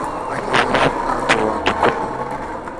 ankiza atyo umwanzi wanjye ukomeye